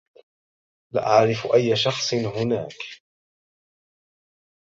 لا أعرف أي شخص هناك.